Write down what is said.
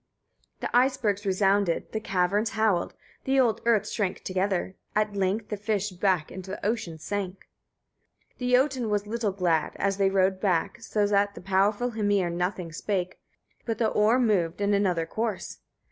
24. The icebergs resounded, the caverns howled, the old earth shrank together: at length the fish back into ocean sank. 25. The Jotun was little glad, as they rowed back, so that the powerful Hymir nothing spake, but the oar moved in another course.